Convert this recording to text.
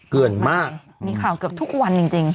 เกินมากมีข่าวเกือบทุกวันจริง